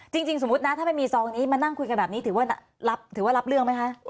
จริงสมมุตินะถ้าไม่มีซองนี้มานั่งคุยกันแบบนี้ถือว่าถือว่ารับเรื่องไหมคะ